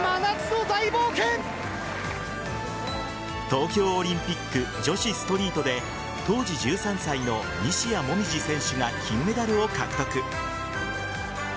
東京オリンピック女子ストリートで当時１３歳の西矢椛選手が金メダルを獲得。